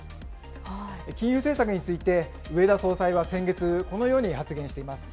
金融政策について植田総裁は先月、このように発言しています。